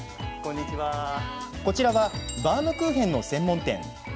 こちらはバウムクーヘンの専門店。